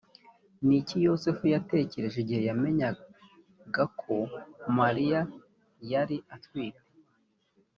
ni iki yozefu yatekereje igihe yamenyaga ko mariya yari atwite‽